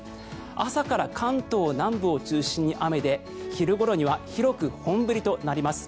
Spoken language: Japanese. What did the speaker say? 朝から関東南部を中心に雨で昼ごろには広く本降りとなります。